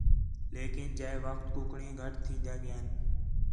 لیکن جئے وخت کُکڑیں گھٹ تھین٘دیاں ڳئیان